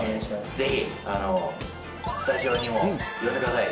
ぜひスタジオにも呼んでください。